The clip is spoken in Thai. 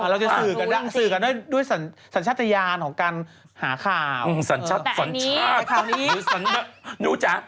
เราจะสื่อกันด้วยสัญชาติยานของการหาข่าว